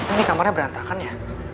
ini kamarnya berantakan ya